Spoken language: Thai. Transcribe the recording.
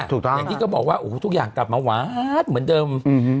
อย่างนี้ก็บอกว่าทุกอย่างกลับมาหว๊า๊ดเหมือนเดิม